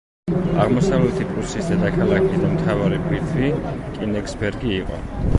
აღმოსავლეთი პრუსიის დედაქალაქი და მთავარი ბირთვი კენიგსბერგი იყო.